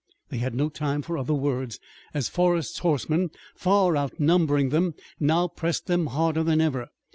They had no time for other words, as Forrest's horsemen, far outnumbering them, now pressed them harder than ever.